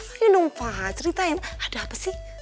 ayo dong pak ceritain ada apa sih